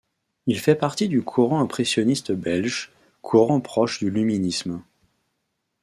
Il fait partie du courant impressionniste belge, courant proche du luminisme.